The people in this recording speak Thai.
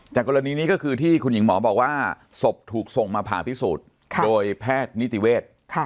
แต่กรณีนี้ก็คือที่คุณหญิงหมอบอกว่าศพถูกส่งมาผ่าพิสูจน์โดยแพทย์นิติเวทย์